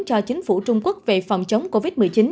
cho chính phủ trung quốc về phòng chống covid một mươi chín